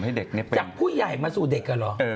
จากผู้ใหญ่มาสู่เด็กอ่ะเหรอ